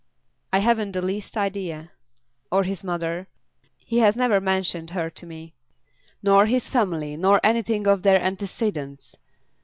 "I haven't the least idea." "Or his mother?" "He has never mentioned her to me." "Nor his family; nor anything of their antecedents?